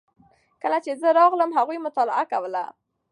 کله چې زه راغلم هغوی مطالعه کوله.